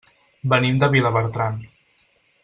Venim de Vilabertran.